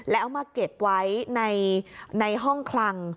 แล้วเอามาเก็บไว้ในห้องคลัง